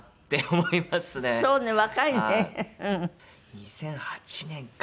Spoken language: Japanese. ２００８年か。